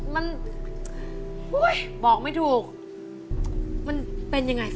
มันคิดว่าไง